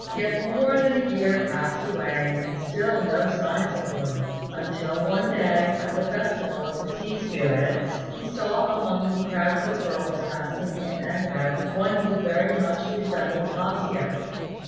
Yet more than a year passed away and still no signs of her, until one day, at the festival of the Sea Spirits, he saw among the crowds of girls passing in and out one who very much resembled A hsia.